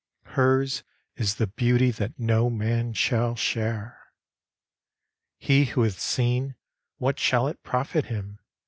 Hers is the beauty that no man shall share. He who hath seen, what shall it profit him?